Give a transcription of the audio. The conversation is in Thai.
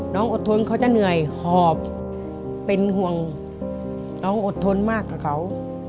อดทนเขาจะเหนื่อยหอบเป็นห่วงน้องอดทนมากกับเขา